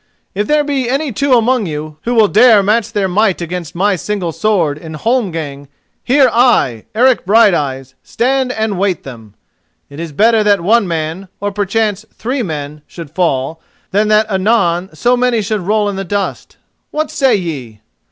If there be any two among you who will dare to match their might against my single sword in holmgang, here I, Eric Brighteyes, stand and wait them. It is better that one man, or perchance three men, should fall, than that anon so many should roll in the dust. What say ye?"